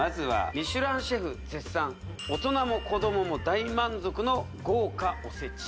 ミシュランシェフ絶賛大人も子どもも大満足の豪華おせち